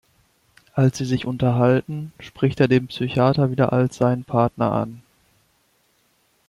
Als sie sich unterhalten, spricht er den Psychiater wieder als seinen Partner an.